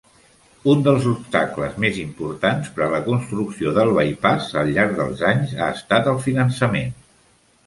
Un dels obstacles més importants per a la construcció del bypass al llarg dels anys ha estat el finançament.